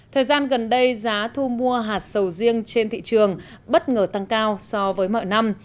thời gian gần đây giá thu mua hạt sầu riêng trên thị trường bất ngờ tăng cao so với mọi năm